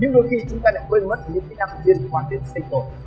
nhưng đôi khi chúng ta lại quên mất những kỹ năng tiên hoạt viên xây tổ